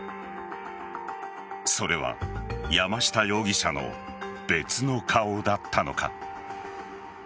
それは山下容疑者の別の顔だったのか。